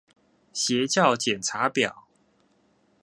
邪教檢查表